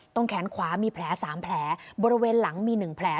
แขนขวามีแผล๓แผลบริเวณหลังมี๑แผล